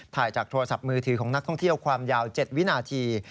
ถ่ายจากโทรศัพท์มือถือของนักท่องเที่ยวความยาว๗วินาที